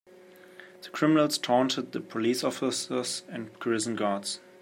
The criminals taunted the police officers and prison guards.